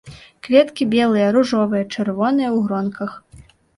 Кветкі белыя, ружовыя, чырвоныя ў гронках.